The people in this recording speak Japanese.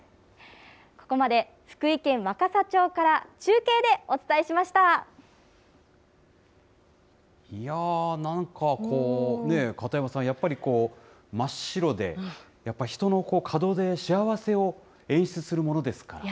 ここまで福井県若狭町から中継でいやあ、なんかこう、片山さん、やっぱり真っ白で、人の門出、幸せを演出するものですから。